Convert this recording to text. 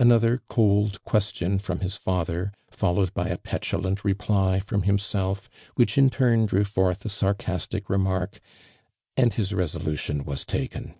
Another cold question from his fathei^ followed by a petulant reply from himself, which in turn drew forth a sarcastic remark, and his resolution was taken.